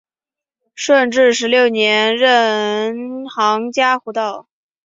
顺治十六年任杭嘉湖道。